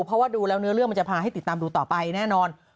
เพราะว่าดูแล้วเนื้อเรื่องมันจะพาให้ติดตามดูต่อไปแน่นอน